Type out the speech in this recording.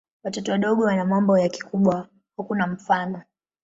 Watoto wadogo wana mambo ya kikubwa hakuna mfano.